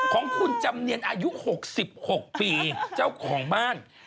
ของคุณจำเนียนอายุ๖๖ปีเจ้าของบ้าน